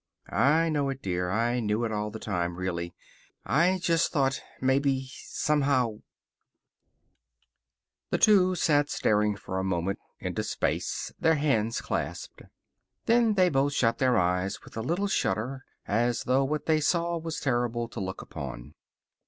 "I know it, dear. I knew it all the time, really. I just thought, maybe, somehow " The two sat staring for a moment into space, their hands clasped. Then they both shut their eyes with a little shudder, as though what they saw was terrible to look upon.